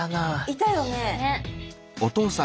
いたよね。